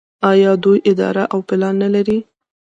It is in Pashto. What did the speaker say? آیا دوی اراده او پلان نلري؟